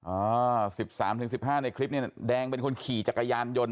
อ่าสิบสามถึงสิบห้าในคลิปเนี่ยแดงเป็นคนขี่จักรยานยนต์